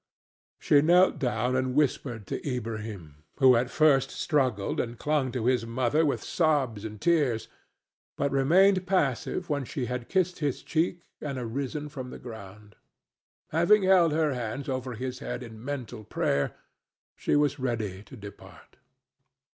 She knelt down and whispered to Ilbrahim, who at first struggled and clung to his mother with sobs and tears, but remained passive when she had kissed his cheek and arisen from the ground. Having held her hands over his head in mental prayer, she was ready to depart.